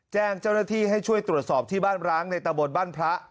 แจ้งเจ้าหน้าที่ให้ช่วยตรวจสอบที่บ้านร้างในตะบนบ้านพระ